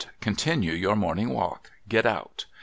Continue your morning walk. Get out